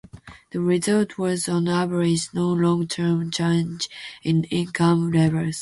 The result was, on average, no long-term change in income levels.